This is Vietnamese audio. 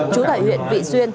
trú tại huyện vị xuyên